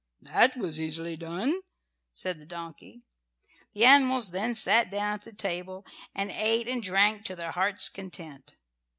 "That was easily done," said the donkey. The animals then sat down at the table and ate and drank to their hearts' content.